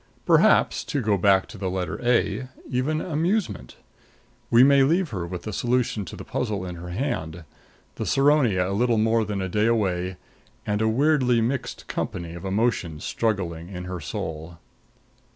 Perhaps, to go back to the letter a, even amusement. We may leave her with the solution to the puzzle in her hand, the Saronia a little more than a day away, and a weirdly mixed company of emotions struggling in her soul.